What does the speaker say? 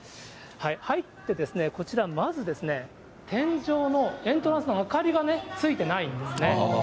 入ってこちら、まず、天井のエントランスの明かりがついてないんですね。